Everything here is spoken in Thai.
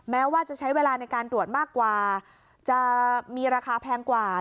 แม้ว่าจะใช้เวลาในการตรวจมากกว่าจะมีราคาแพงกว่า